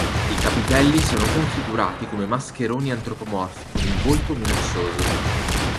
I capitelli sono configurati come mascheroni antropomorfi con il volto minaccioso.